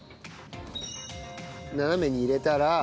斜めに入れたら。